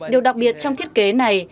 điều đặc biệt trong thiết kế này